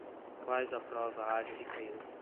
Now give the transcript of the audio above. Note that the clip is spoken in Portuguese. quais a prova há de recair